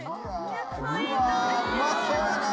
うわうまそうやな！